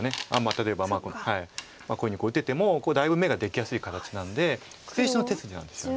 例えばこういうふうに打っててもだいぶ眼ができやすい形なんで捨て石の手筋なんですよね。